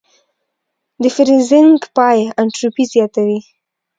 د فریزینګ پای انټروپي زیاتوي.